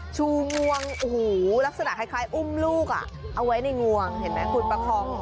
ชูงวงหูลักษณะคล้ายอุ้มลูกอ่ะเอาไว้ในงวงเห็นมั้ยคุณประครอง